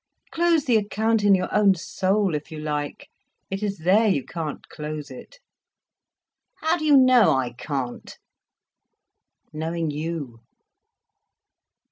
Close the account in your own soul, if you like. It is there you can't close it." "How do you know I can't?" "Knowing you."